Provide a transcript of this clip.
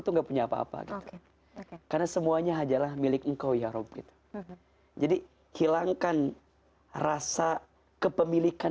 tuh nggak punya apa apa karena semuanya ajalah milik engkau ya rob jadi hilangkan rasa kepemilikan